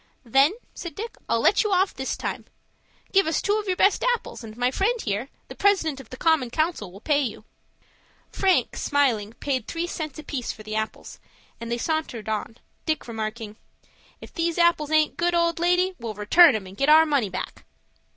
"Then," said Dick, "I'll let you off this time. Give us two of your best apples, and my friend here, the President of the Common Council, will pay you." Frank smiling, paid three cents apiece for the apples, and they sauntered on, Dick remarking, "If these apples aint good, old lady, we'll return 'em, and get our money back."